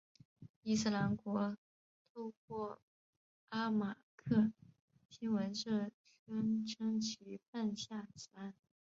伊斯兰国透过阿马克新闻社宣称其犯下此案。